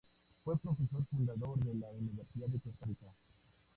Fue profesor fundador de la Universidad de Costa Rica.